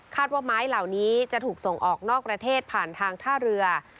ว่าไม้เหล่านี้จะถูกส่งออกนอกประเทศผ่านทางท่าเรือ